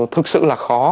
thực sự là khó